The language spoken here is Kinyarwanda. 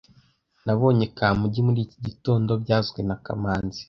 Nabonye Kamugi muri iki gitondo byavuzwe na kamanzi